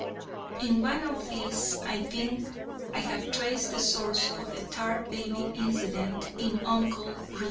In one of these I think I have traced the source of the Tar Baby incident in "Uncle Remus."